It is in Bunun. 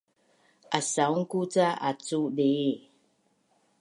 Asaunku ca acu dii